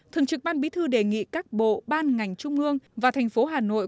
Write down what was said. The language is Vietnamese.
thường trực ban bí thư đề nghị các bộ ban ngành trung ương và thành phố hà nội